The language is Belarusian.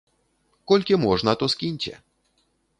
Колькі можна то скіньце!